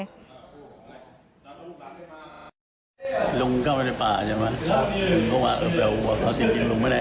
ลุงก้าวไปในป่าใช่ไหมอืม